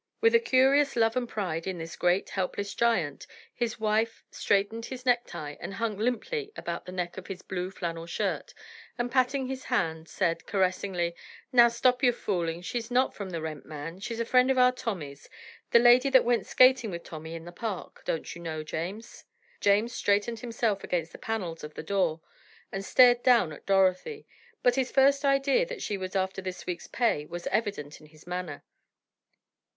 With a curious love and pride in this great, helpless giant, his wife straightened his necktie, that hung limply about the neck of his blue flannel shirt, and patting his hand said, caressingly: "Now stop your foolin', she's not from the rent man, she's a friend of our Tommy's,—the lady that went skatin' with Tommy in the Park; don't you know, James?" James straightened himself against the panels of the door, and stared down at Dorothy, but his first idea that she was after his week's pay was evident in his manner.